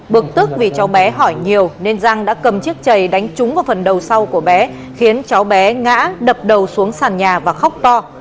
bực tức vì cháu bé hỏi nhiều nên giang đã cầm chiếc chầy đánh trúng vào phần đầu sau của bé khiến cháu bé ngã đập đầu xuống sàn nhà và khóc to